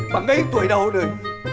bà ngây tuổi đầu rồi